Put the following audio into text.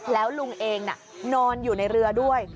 แล้วลุงเองนอนอยู่ในเรือด้วย